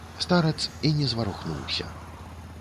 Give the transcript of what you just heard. Старац і не зварухнуўся.